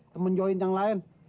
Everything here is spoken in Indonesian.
temen join yang lain